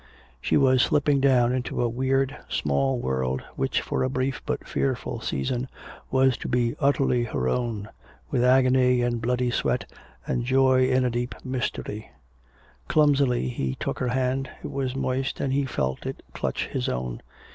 She was slipping down into a weird small world which for a brief but fearful season was to be utterly her own, with agony and bloody sweat, and joy and a deep mystery. Clumsily he took her hand. It was moist and he felt it clutch his own.